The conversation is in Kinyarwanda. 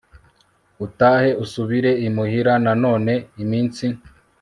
utahe usubire imuhira nanone iminsi